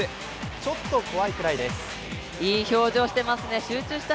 ちょっと怖いくらいです。